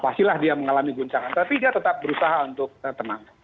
pastilah dia mengalami guncangan tapi dia tetap berusaha untuk tenang